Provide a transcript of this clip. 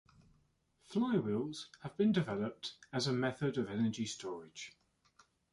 Flywheels have been developed as a method of energy storage.